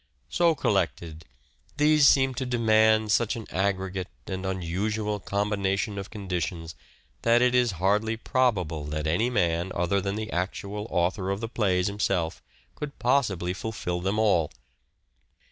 So collected, these seem to demand such an aggregate and unusual combination of conditions that it is hardly probable that any man other than the actual author of the plays himself could possibly fulfil them all.